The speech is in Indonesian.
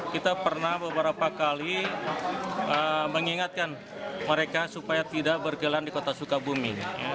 kita pernah beberapa kali mengingatkan mereka supaya tidak berkelan di kota sukabumi